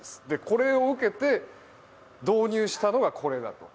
これを受けて導入したのがこれだと。